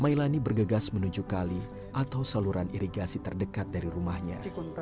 mailani bergegas menuju kali atau saluran irigasi terdekat dari rumahnya